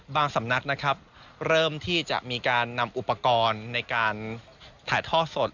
สำนักนะครับเริ่มที่จะมีการนำอุปกรณ์ในการถ่ายท่อสด